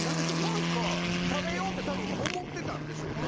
何か食べようって多分思ってたんでしょうね。